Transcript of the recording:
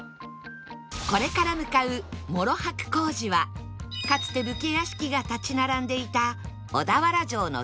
これから向かう諸白小路はかつて武家屋敷が建ち並んでいた小田原城の城下町